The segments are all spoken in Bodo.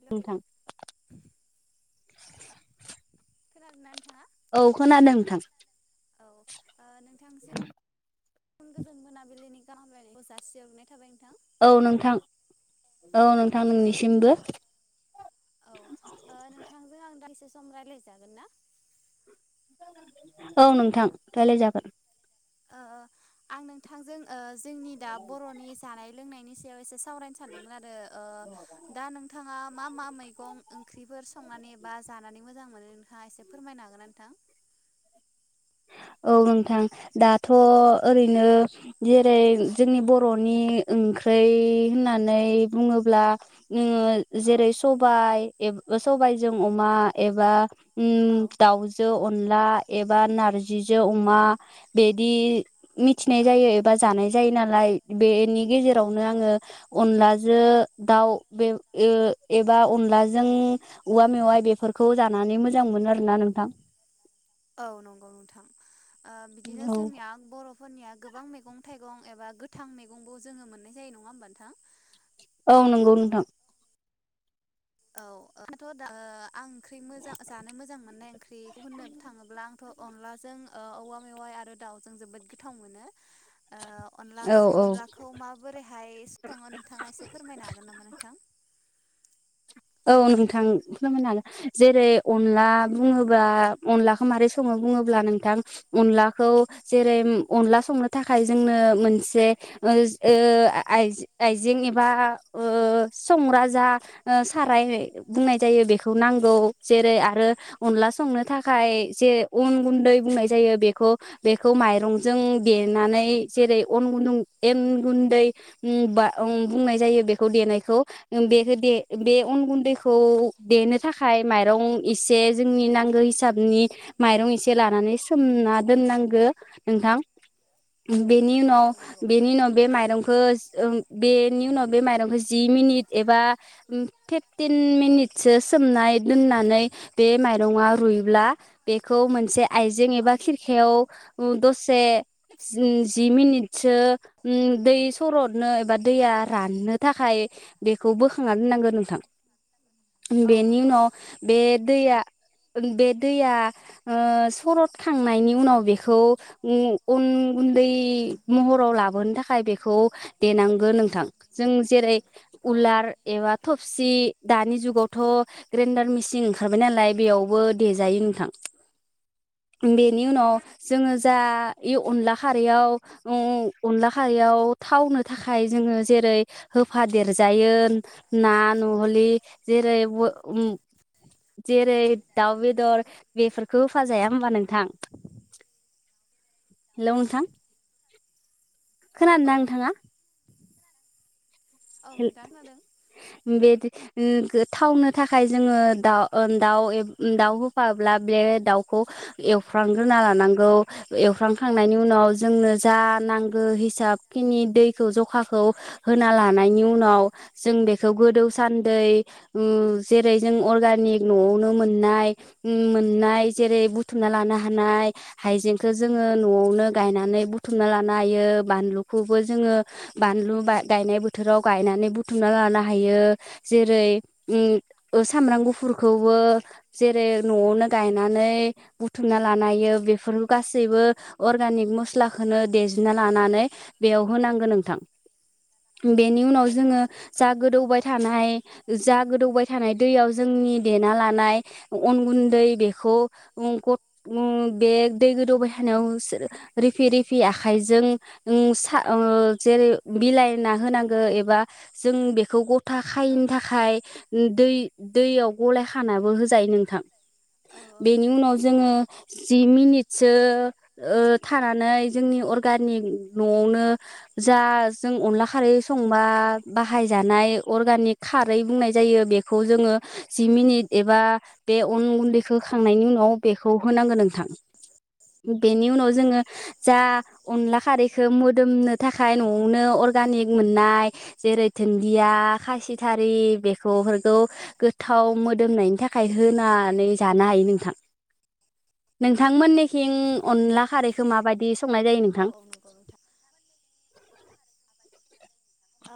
हेलौ नोंथां। खोनादों ना नोंथाङा? औ खोनादों नोंथां। औ नोंथांनिसिम उ गोजोन मोनाबिलिनि गाहाम हामलायनायखौ जासिहरनाय थाबाय नोंथां। औ नोंथां। औ नोंथां ओ नोंनिसिमबो। औ ओ नोंथांजों आं दान्दिसे सम रायज्लायजागोन ना। औ नोंथां रायलायजागोन। ओ आं नोंथांजों ओ। जोंनि दा बर'नि जानाय लोंनायनि [unintelligible] सावरायनो सानदोंमोन आरो ओ दा नोंथाङा मा मा मैगं ओंख्रिफोर संनानै बा जानानै मोजां मोनो नोंथाङा एसे फोरमायनो हागोना नोंथां। औ नोंथां दाथ' ओरैनो जेरै जोंनि बर'नि ओंख्रै होननानै बुङोब्ला [unintelligible] औ जेरै सबाय ए ओ सबायजों अमा एबा। उम औ दाउजो अन ला एबा ना जि जो अमा बेदि मिथिनाय औ जायो एबा जानाय जायो ना [unintelligible] बेनि गेजेरावनो आङो अनलाजो दाउ बे ए एबा अनलाजों औवा मेवाइ बेफोरखौ जानानै मोजां मोनो आरोना नोंथां। औ नंगौ नोंथां। ओ बिदिनो औ जोंनिया बर'। फोरनिया गोबां मैगं थाइगं एबा गोथां मैगंबो जोङो मोननाय जायो नङा होम्बा नोंथां। औ नंगौ नोंथां। औ [unintelligible] ' ओ आं ओंख्रि मोजां जानो मोजां मोननाय ओंख्रि गुबुननावबो थाङोब्ला आंथ' अनलाजों ओ औवा मेवाइ आरो दाउजों जोबोद गोथाव मोनो। ओ अनला औ औ अनलाखौ माबोरैहाय संङो नोंथाङा एसे फोरमायनो हागोन नामा नोंथां। औ नोंथां [unintelligible] जेरै अनला औ बुङोबा अनलाखौ माबोरै सङो बुङोब्ला नोंथां अनलाखौ जेरै अनला संनो थाखाय जोंनो मोनसे ओ ओ आइ आइजें एबा ओ संग्रा जा ओ खाराय है बुंनाय जायो बेखौ नांगौ जेरै आरो अनला संनो थाखाय जे अन गुन्दै बुंनाय जायो बेखौ बेखौ माइरंजों देनानै जेरै अन गुन्दुं एन गुन्दै उम बा उम बुंनाय जायो बेखौ देनायखौ बेखौ दे बे अन औ गुन्दैखौ देनो थाखाय माइरं एसे जोंनि नांगौ हिसाबनि माइरं एसे लानानै सोमना दोननांगो नोंथां। औ बेनि औ उनाव नंगौ बेनि उनाव बे माइरंखो ओ बेनि उनाव बे माइरंखौ जि मिनिट एबा फिफटिन मिनिटसो सोमनाय दोननानै बे माइरंङा रुइब्ला बेखौ मोनसे आइजें एबा औ खिरखायाव दसे जि मिनिटसो उम दै सरदनो एबा दैया राननो थाखाय बेखौ बोखांना दोनांगौ नोंथां। औ बेनि नंगौ उनाव बे दैया बे दैया ओ सरद खांनायनि उनाव बेखौन उम अन गुन्दै महराव लाबोनो थाखाय बेखौ देनांगोन नोंथां जों जेरै औ औ उलार। एबा थबसि दानि जुगावथ' ग्रेन्डार मेसिन ओंखारबाय नालाय बेयावबो देजायो नोंथां बेनि उनाव जोङो जा ए अनला खारैयाव अनला खारैयाव थावनो थाखाय जोङो जेरै होफा देरजायो। ना नहलि जेरै जेरै दाउ बेदर बेफोरखौ होफाजाया होम्बा नोंथां हेलौ नोंथां। औ औ खोनादोंना नोंथाङा। औ हेल नोंथां खोनादों बेदि ओ गोथावनो थाखाय जोङो दाउ ओ दाउ दाउ होफाब्ला ब्ले दाउखौ एवफ्रांग्रोना लानांगौ। एवफ्रांखांनायनि उनाव जोंनो जा नांगो हिसाब खिनि दैखौ जखाखौ होना ला नायनि उनाव जों बेखौ गोदौ सान्दै उम जेरै जों अर्गानिक न'आवनो मोननाय मोननाय जेरै बुथुमना लानो हानाय हाइजेंखो जोङो न'आवनो गायनानै बुथुमना लानो हायो बानलुखौबो जोङो बानलु गायनाय बो थोराव गायनानै बुथुमना लानो हायो जेरै उम ओ सामब्राम गुफुरखौबो औ जेरै न'आवनो गायनानै बुथुमना लानो हायो बेफोर गासैबो अर्गानिक मस्लाखौनो देजिना लानानै बेयाव होनांगो नोंथां। बेनि औ उनाव जोङो जा औ गोदौबाय औ नंगौ थानाय जा गोदौबाय थानाय दैयाव जोंनि देना लानाय अन गुन्दै बेखौ उं उ बे दै गोदौबाय थानायावसो रिफि रिफि आखायजों उं सा ओं जेरै बिलाइ होना होनांगौ एबा जों बेखौ ग था औ खायैनि थाखाय दै दैयाव गलायखानाबो होजायो नोंथां। औ औ बेनि नंगौ उनाव जोंङो जि मिनिटसो ओ थानानै जोंनि अर्गानिक न'आवनो जा जों अनला खारै संबा बाहायजानाय अर्गानिक खारै बुंनाय जायो बेखौ जोङो जि मिनिट एबा बे अन गुन्दैखौ खांनायनि उनाव बेखौ होनांगोन नोंथां। बेनि उनाव जोंङो जा अनला खारै मोदोमनो थाखाय औ औ न'आवनो अर मोन्नाय जेरै थोनदिआ खासि थारि बेफोरखौ गोथाव मोदोमनाय नि थाखाय होनानै जानो हायो नोंथां नोंथां मोननि थिं अनला खारै खो माबायदि संनाय जायो औ नोंथां? औ नंगौ नोंथां।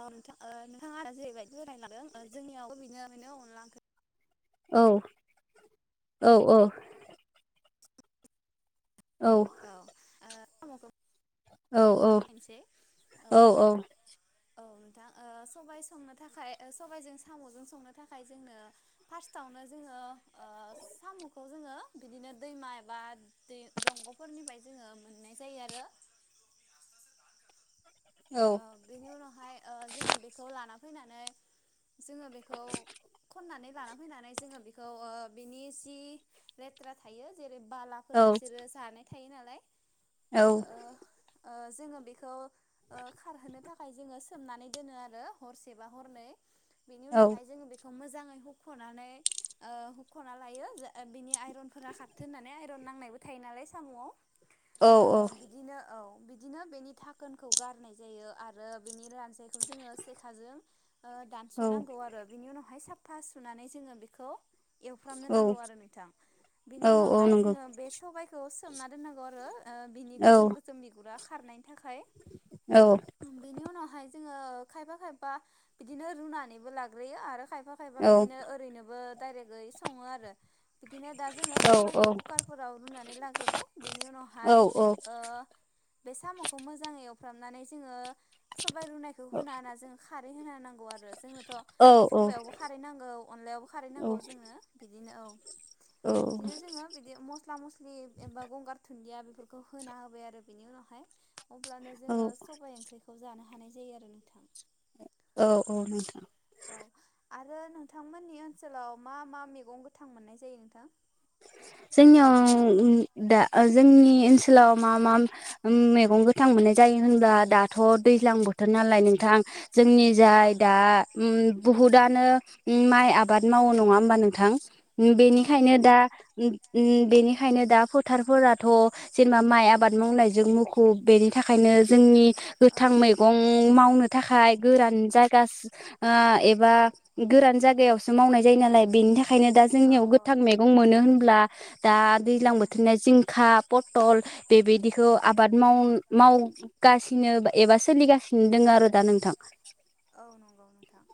औ नों [unintelligible] नोंथाङानो जेरैबायदि [unintelligible] लादों जोंनियावबो बिनो [unintelligible] अनला ओं औ औ औ। औ। साम'खौ औ सङो औ आं मोनसे औ औ। औ नोंथां सबाय संनो थाखाय सबायजों साम'जों संनो थाखाय जोंनो फार्स्टआवनो जोंङो साम'खौ जोंङो बिदिनो दैमा एबा दै दंग'फोरनिफ्राय जोंङो मोननाय जायो आरो औ ओ बेनि उनावहाय ओ जोंङो बेखौ लाना फैनानै जोङो बेखौ खननानै लाना फैनानै जोङो बेखौ बिनि जि लेथ्रा थायो औ बालाफोर बिसोरो जानाय थायो नालाय। औ। ओ ओ जोङो बेखौ ओ खारहोनो थाखाय जोङो सोमनानै दोनो आरो हरसेबा हरनै। बेनि उनावहाय जोङो बेखौ मो जाङै हुख'नानै ओ हुख'ना लायो ओ बिनि आइरनफोरा खारथों होननानै आइरन नांनायबो थायो नालाय साम'आव। ओ बिदिनो औ। बिदिनो बेनि थाखोनखौ गारनाय जायो आरो बेनि रानसायखौ जोंङो सेखाजों ओ दानस'नांगौ आरो बिनि उनावहाय सा फा सुनानै जोङो बेखौ एवफ्रामनो औ नांगौ आरो नोंथां बिनि औ औ उनावहाय नंगौ जोंङो बे सबायखौ सोमना दोनो नांगौ आरो। बिनि औ गोसोम गोसोमनि बिगुरा खारनायनि थाखाय। औ बिनि उनावहाय जोङो खायफा खायबा बिदिनो रुनानैबो लाग्रोयो आरो खाय खायफा खायफा औ बिदिनो ओरैनोबो डाइरेक्टयै सङो आरो बिदिनो दा जोङो औ सबायाइखौ कुकारफोराव रुनानै लाग्रोबाय बेनि औ उनावहाय औ ओ बे साम'खौ मोजाङै खालामामनानै जोङो सबाय रुनायखौ होना होना जों खारै होना नांगौ। आरो जोंनोथ' सबयावबो खारै नांगौ अनलायावबो खारै नांगौ जोंनो बिदिनो औ। बिदिनो जोङो बिदि मस्ला मस्लि एबा गंगार थ दुनदिया बेफोरखौ होना होबाय आरो बिनि उनावहाय अ जोङो सबबाय ओंख्रिखौ जानो हानाय जायो आरो नोंथां। औ औ नोंथां। औ आरो नोंथांमोननि ओनसोलाव मा मा मैगं गोथां मोननाय जायो नोंथां? जोंनियाव दा जोंनि ओनसोलाव मा मा मैगं गोथां मोननाय जायो होनबा दाथ' दैज्लां बोथोर नालाय नोंथां जोंनि औ जाय दा उ बुहुदानो माइ आबाद मावो नङा होमबा नोंथां? औ बेनिखायनो नंगौ दा उ बेनिखायनो दा फोथारफोराथ' जेनेबा माइ आबाद मावनायजों मुखुब बेनि थाखायनो जोंनि गोथां औ मैगं माव मावनो थाखाय गोरान जागा ओ एबा गोरान जायगायावसो मावनाय जायो नालाय बेनि थाखाय ओंखायनो दा औ जोंनियाव औ गोथां मैगं मोनो। होनब्ला दा औ दैज्लां बोथोरनिया जिंखा पटल बेबायदिखौ आबाद माव मावगासिनो एबा सोलिगासिनो दङ आरो दा नोंथां। औ नंगौ नोंथां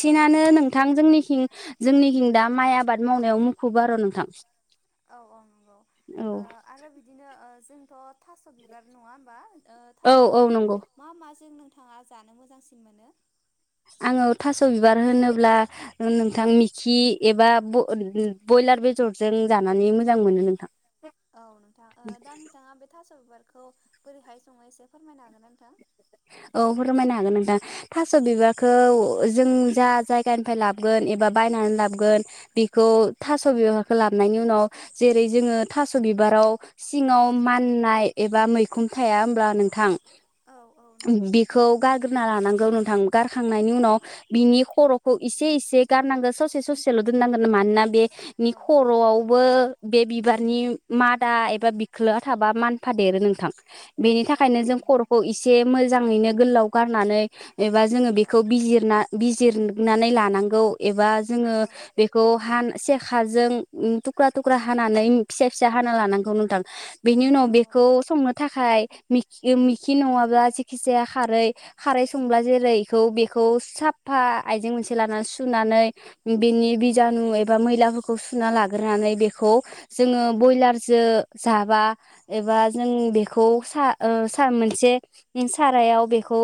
ओ बिदिनो नोंथां जोंनिथिं जोंनिथिं दा औ माइ आबाद मावनायाव मुखुब आरो' नोंथां। [inaudible] औ औ नंगौ औ आरो बिदिनो ओ जों थ' थास' बिबार नङा होमबा? ओ औ थास' औ बिबारखौ नंगौ मा माजों नों नोंथाङा जानो मोजांसिन मोनो आङो थास' बिबार होनोब्ला नोंथां मिखि एबा ब्रयलार बेदरजों जानानै मोजां मोनो नोंथां औ नोंथां दा नोंथाङा बे थास' बिबार खौ बोरैहाय सङो एसे फोरमायनो हागोन नोंथां औ फोरमायनो हागोन नोंथां थास' बिबारखौ जों जा जायगानिफ्राय लाबोगोन एबा बायनानै लाबोगोन बेखौ थास' बिबारखौ लाबोनायनि उनाव जेरै जोङो थास' बिबाराव सिङाव माननाय एबा मैखुन थाया होनब्ला नोंथां औ औ नंगौ। ग्रोना लानांगौ नोंथां गारखांनायनि औ उनाव बिनि खर' इसे इसे गारनांगोन ससे ससेल' दोननांगोन मानोना बे नि औ खर'आवबो बे बिबारनि मादा एबा बिखोलोआ थाबा मानफादेरो नोंथां बेनि थाखायनो औ जों नंगौ। खर'खौ इसे मोजाङैनो गोलाव गारनानै एबा जोङो औ बेखौ बिजिरना बिज जिरनानै लानांगौ एबा जोङो औ बेखौ हान सेखाजों थुख्रा थुख्रा हानानै फिसा फिसा हाना लानांगौ नोंथां बेनि उनाव औ बेखौ संनो थाखाय मि मिखि नङा जिखि जाया खारै खारै संब्ला जेरै बेखौ बेखौ साफा आइजें मोनसे लानानै सुनानै बिनि बिजानु एबा मैलाफोरखौ खौ सुना लाग्रोनानै बेखौ औ जोङो ब्रयलारजों जाबा एबा जों बेखौ सा सा मोनसे सारायाव बेखौ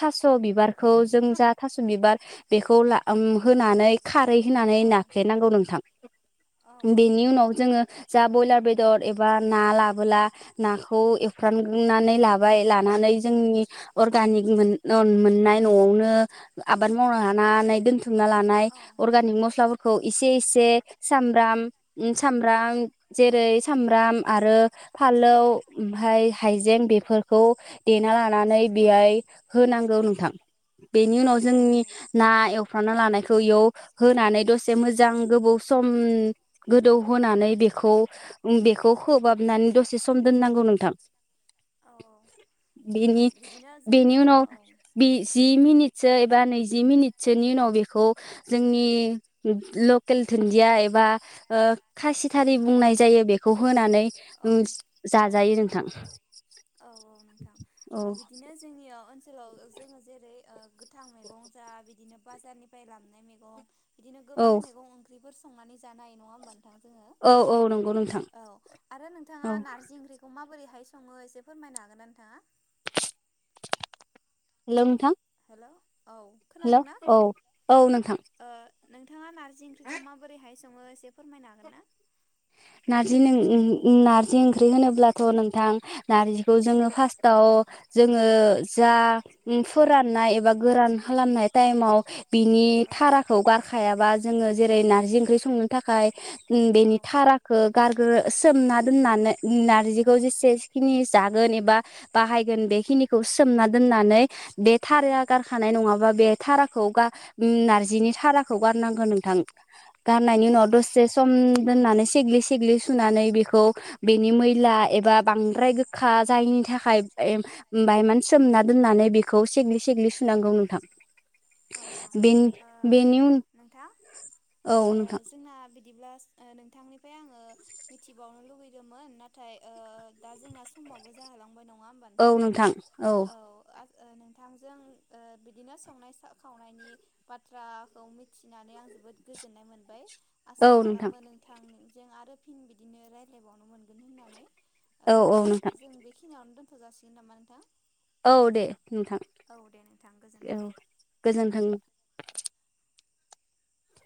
थास' बिबारखौ जों जा थास' बिबार बेखौ ला होनानै खा फ्रै होनानै औ नाफ्ले नांगौ नोंथां औ औ बेनि नंगौ उनाव जोङो जा ब्रयलार बेदर एबा ना लाबोला नाखौ एवफ्राननानै लाबाय लानानै अर्गानिक मोननाय न'आवनो आबाद मावनो हानाय दोन दोनथुमना लानाय औ अर्गानिक मस्लाफोरखौ खौ इसे इसे सामब्राम सामब्राम जेरै सामब्राम आरो फालौ ओमफाय हायजें बेफोरखौ देना लानानै बेहाय होनांगौ नोंथां बेनि औ उनाव औ जोंनि नंगौ ना एव संना लानायखौ इयाव होनानै दसे मोजां गोबौ सम गोदौ होनानै बेखौ बेखौ खोबहाबनानै दसे सम दोननांगौ नोंथां औ ओ बेनि बिदिनो बेनि जोंनाव उनाव औ जि मिनिटसो बा नैजि मिनिटसोनि उनाव बेखौ जोंनि लकेल दुन्दिया एबा खासिथारि बुंनाय जायो बेखौ होनानै औ औ जाजायो नोंथां औ औ नोंथां औ बिदिनो जोंनियाव ओनसोलाव जोङो जेरै गोथां मैगं जा बिदिनो बाजारनिफ्राय लाबनाय मेगं। बिदिनो औ गोबां मैगं ओंख्रिफोर सं नानै जानो हायो नङा होमबानोंथां जोंङो? औ औ नंगौ नोंथां औ आरो नोंथाङा औ नारजि ओंख्रि खौ माबोरैहाय संङो एसे फोरमायनो हागोन ना नोंथाङा? हेलौ नोंथां। हेल' हेल' औ औ नोंथां। ओ नोंथाङा नार जि ओंख्रिखौ माबोरैहाय संङो एसे फोरमायनो हागोन ना? नारजि नारजि ओंख्रि होनोब्लाथ' नोंथां नारजि खौ जोङो औ फार्स्टाव जोङो जा फोराननाय एबा गोरान खालामनाय टाइमाव बिनि औ थाराखौ गारखायाबा जोङो जेरै नार्जि ओंख्रि संनो थाखाय बेनि औ थारा गारग्रो सोमना दोननानै नारजिखौ जेसेखिनि जागोन एबा बाहायगोन बेखिनिखौ सोमना दोननानै बे औ थारआ गारखानाय नङाबा बे थाराखौ गा नारजिनि थाराखौ गारनांगौ नोंथां। गारनायनि औ उनाव औ दसे सम दोननानै सेग्लि सिग्लि सुनानै बेखौ बेनि मैला एबा बांद्राय गोखा जायिनि थाखाय ए बांआइ मान सोमना दोननानै बिखौ सिंग्लि सिंग्लि सुनांगौ नोंथां। औ औ बेनि ओ बेनि नोंथां औ नोंथां जोंना बि बिदिब्ला नोंथांनिफ्राय आङो मिथिबावनो लुबैदोंमोन। नाथाय ओ दा जोंना समावबो जाहोलांबाय दं। औ नोंथां औ नोंथांजों बिदिनो संनाय खावनायनि बाथ्राखौ मि थिनानै आं जोबोद गोजोननाय मोनबाय। आसा खालामो नोंथां जों आरो फिन बिदिनो रायज्लायबावनो मोनगोन होननानै औ औ नोंथां जों बेखिनियावनो दोन थ' जासिगोन नामा नोंथां? औ दे। नोंथां औ दे नोंथां गोजोन्थों औ गोजोनथों।